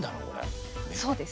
そうですね。